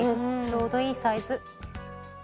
ちょうどいいサイズ」